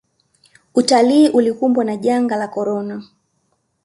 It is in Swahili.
utalii ulikumbwa na janga la korona